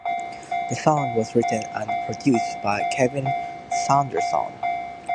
The song was written and produced by Kevin Saunderson.